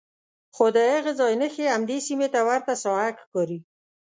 خو د هغه ځای نښې همدې سیمې ته ورته ساحه ښکاري.